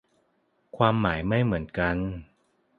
ความหมายไม่เหมือนกัน